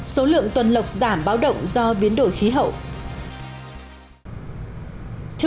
số lượng tuần lọc giảm báo động do biến đổi khí hậu